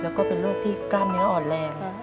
แล้วก็เป็นโรคที่กล้ามเนื้ออ่อนแรง